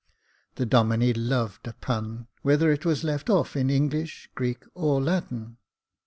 The Domine loved a pun, whether it was let off in English, Greek, or Latin.